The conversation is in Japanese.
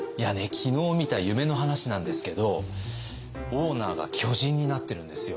昨日見た夢の話なんですけどオーナーが巨人になってるんですよ。